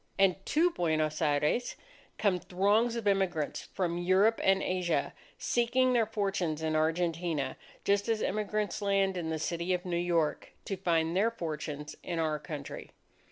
And to Buenos Aires come throngs of immigrants from Europe and Asia, seeking their fortunes in Argentina; just as immigrants land in the City of New York, to find their fortunes in our country.